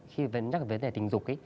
khi nói về vấn đề tình dục ý